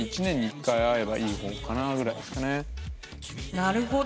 なるほど。